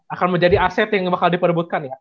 akan menjadi aset yang bakal diperbutkan ya